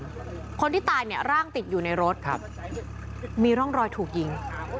คนที่ตายเนี่ยร่างติดอยู่ในรถครับมีร่องรอยถูกยิง